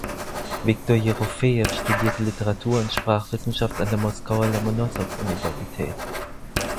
Wiktor Jerofejew studierte Literatur und Sprachwissenschaft an der Moskauer Lomonossow-Universität.